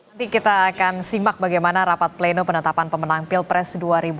nanti kita akan simak bagaimana rapat pleno penetapan pemenang pilpres dua ribu dua puluh